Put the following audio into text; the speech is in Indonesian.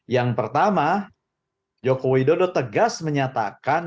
yang pertama joko widodo tegas menyatakan